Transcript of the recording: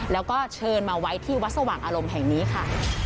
แล้วก็เชิญมาไว้ที่วัดสว่างอารมณ์แห่งนี้ค่ะ